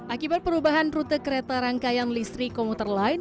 akibat perubahan rute kereta rangkaian listrik komuter lain